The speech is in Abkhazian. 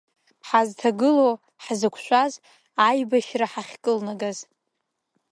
Ҳазҭагылоу, ҳзықәшәаз, аибашьра ҳахькылнагаз…